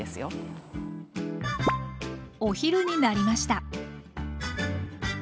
お昼になりました